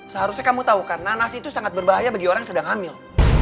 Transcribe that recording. seharusnya kamu tahu karena nasi itu sangat berbahaya bagi orang yang sedang hamil